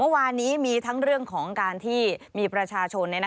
เมื่อวานนี้มีทั้งเรื่องของการที่มีประชาชน